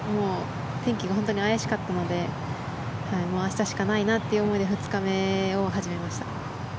天気が本当に怪しかったのでもう明日しかないなという思いで２日目を始めました。